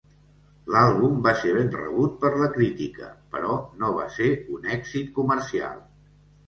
L'àlbum va ser ben rebut per la crítica, però no va ser un èxit comercial.